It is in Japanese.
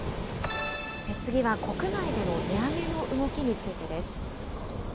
次は国内での値上げの動きについてです。